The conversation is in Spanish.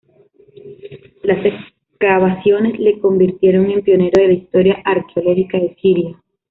Las excavaciones le convirtieron en pionero de la historia arqueológica de Siria.